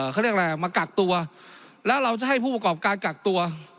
เขาเรียกอะไรมากักตัวแล้วเราจะให้ผู้ประกอบการกักตัว